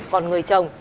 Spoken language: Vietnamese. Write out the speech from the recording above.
còn người chồng